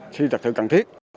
khi thực sự cần thiết